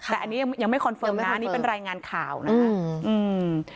แต่อันนี้ยังไม่คอนเฟิร์มนะอันนี้เป็นรายงานข่าวนะคะอืม